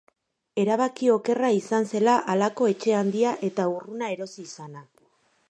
Erabaki okerra izan zela halako etxe handia eta urruna erosi izana.